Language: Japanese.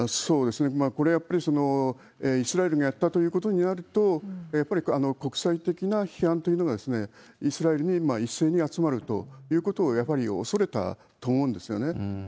これはやっぱりイスラエルがやったということになると、やっぱり国際的な批判というのがイスラエルに一斉に集まるということを、やっぱり恐れたと思うんですよね。